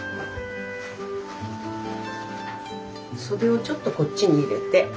袖をちょっとこっちに入れて。